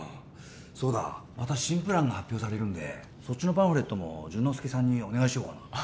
そうだまた新プランが発表されるんでそっちのパンフレットも潤之介さんにお願いしようかな